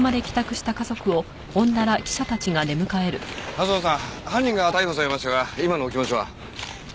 春薗さん犯人が逮捕されましたが今のお気持ちは？